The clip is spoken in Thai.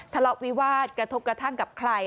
ทะเลาะวิวาสกระทบกระทั่งกับใคร